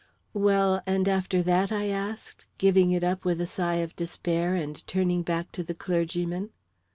"Well, and after that?" I asked, giving it up with a sigh of despair and turning back to the clergyman.